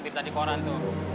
bip tadi koran tuh